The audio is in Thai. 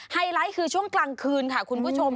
ไลท์คือช่วงกลางคืนค่ะคุณผู้ชม